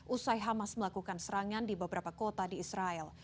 usai hamas melakukan serangan di beberapa kota di israel